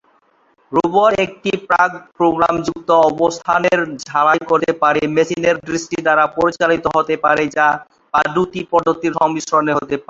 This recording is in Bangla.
রোবট একটি প্রাক-প্রোগ্রামযুক্ত অবস্থানের ঝালাই করতে পারে, মেশিনের দৃষ্টি দ্বারা পরিচালিত হতে পারে, বা দুটি পদ্ধতির সংমিশ্রণে হতে পারে।